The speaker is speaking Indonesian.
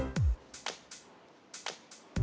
database nya udah roh ti ti t stucky ga